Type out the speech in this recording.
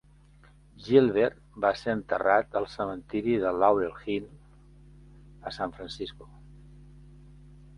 Gilbert va ser enterrat al cementiri de Laurel Hill, a San Francisco.